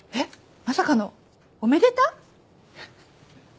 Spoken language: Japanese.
まさかのおめでた？